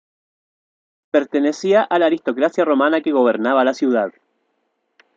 Pertenecía a la aristocracia romana que gobernaba la ciudad.